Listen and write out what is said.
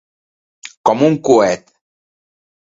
Com un coet.